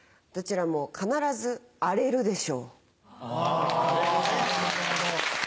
どちらも必ず荒れるでしょう。